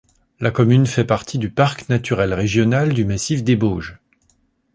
La commune fait partie du parc naturel régional du massif des Bauges.